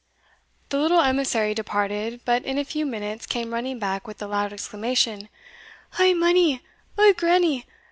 The little emissary departed, but in a few minutes came running back with the loud exclamation, "Eh, Minnie! eh, grannie!